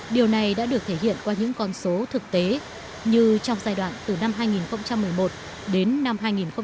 điều này đã được thể hiện qua những con số thực tế như trong giai đoạn từ năm hai nghìn một mươi một đến năm hai nghìn một mươi bảy